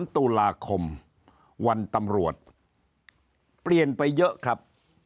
๓ตุลาคมวันตำรวจเปลี่ยนไปเยอะครับ